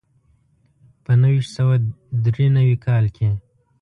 په نهه ویشت سوه دري نوي کال کې.